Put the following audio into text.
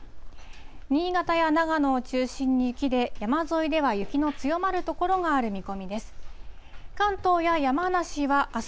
新潟や長野を中心に雪で、山沿いでは雪の強まる所がある見込みです。